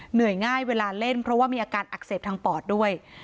เหนื่อยง่ายเวลาเล่นเพราะว่ามีอาการอักเสบทางปอดด้วย